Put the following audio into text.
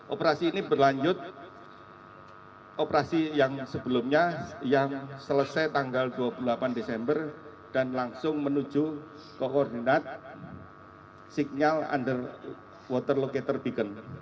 operasi ini berlanjut operasi yang sebelumnya yang selesai tanggal dua puluh delapan desember dan langsung menuju koordinat signal under waterlocator beacon